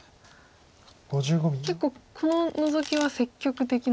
結構このノゾキは積極的な。